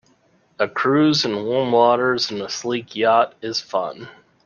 A cruise in warm waters in a sleek yacht is fun.